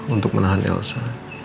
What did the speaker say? untuk menahan elsa